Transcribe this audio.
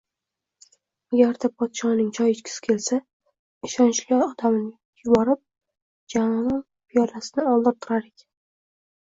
Agarda podshoning choy ichkisi kelsa, ishonchli odamini yuborib, jonon piyolasini oldirtirar ekan